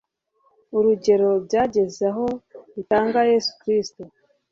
urugero, byageze aho itanga yezu kristu